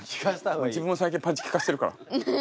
自分も最近パンチ効かせてるから。